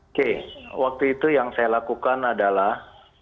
oke waktu itu yang saya lakukan adalah